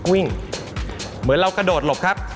เหมือนเรากระโดดหลบครับ